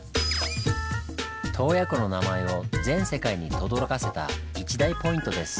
洞爺湖の名前を全世界にとどろかせた一大ポイントです。